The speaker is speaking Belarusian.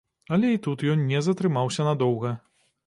Але і тут ён не затрымаўся надоўга.